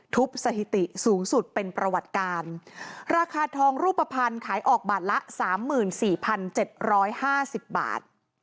สถิติสูงสุดเป็นประวัติการราคาทองรูปภัณฑ์ขายออกบาทละสามหมื่นสี่พันเจ็ดร้อยห้าสิบบาท